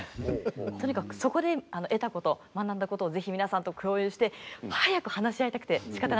とにかくそこで得たこと学んだことをぜひ皆さんと共有して早く話し合いたくてしかたがないです。